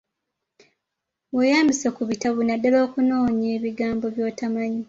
Weeyambise ku bitabo naddala okunoonya ebigambo by'otamanyi.